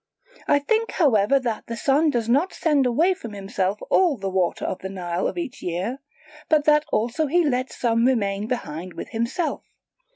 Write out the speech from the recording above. I think however that the Sun does not send away from himself all the water of the Nile of each year, but that also he lets some remain behind with himself.